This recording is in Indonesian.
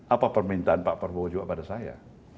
apa permintaan pak prabowo juga pada saya